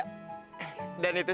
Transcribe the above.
padat agama zul